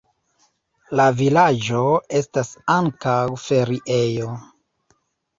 La vilaĝo estas ankaŭ feriejo.